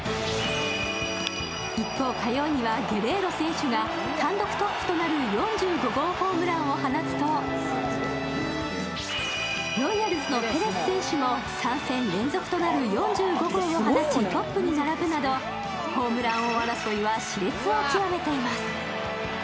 一方、火曜にはゲレーロ選手が単独トップとなる４５号ホームランを放つと、ロイヤルズのペレス選手も３戦連続となる４５号を放ちトップに並ぶなど、ホームラン王争いはしれつを極めています。